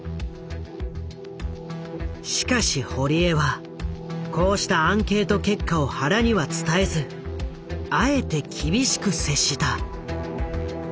しかし堀江はこうしたアンケート結果を原には伝えずあえて厳しく接した。